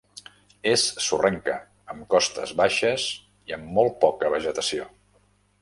És sorrenca, amb costes baixes i amb molt poca vegetació.